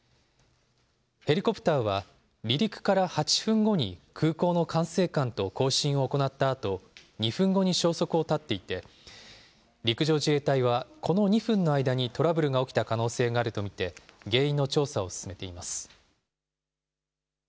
ヘリコプターは離陸から８分後に空港の管制官と交信を行ったあと、２分後に消息を絶っていて、陸上自衛隊はこの２分の間にトラブルが起きた可能性があると見て、原因の調査を進めています。